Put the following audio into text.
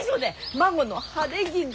孫の晴れ着が。